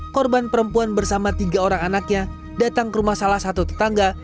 korban perempuan bersama tiga orang anaknya datang ke rumah salah satu tetangga